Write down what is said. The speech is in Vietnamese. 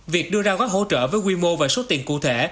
việc đưa ra gói hỗ trợ với quy mô và số tiền cụ thể